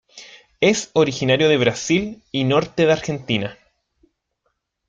Es originario de Brasil y norte de Argentina.